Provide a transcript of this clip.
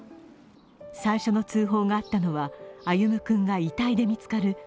最初の通報があったのは歩夢君が遺体で見つかる